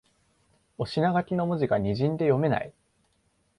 お品書きの文字がにじんで読めない